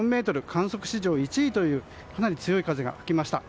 観測史上１位というかなり強い風が吹きました。